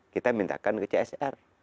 kita mintakan ke csr